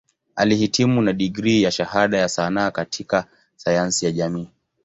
Alihitimu na digrii ya Shahada ya Sanaa katika Sayansi ya Jamii.